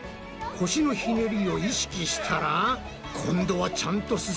腰のひねりを意識したら今度はちゃんと進んでいるぞ。